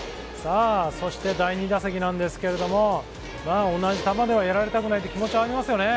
そして第２打席なんですけれども、同じ球ではやられたくない気持ちがありますね。